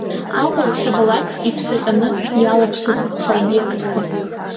Аҟәа иахьабалак иԥсаҟьаны иалаԥсоуп ҳобиектқәа.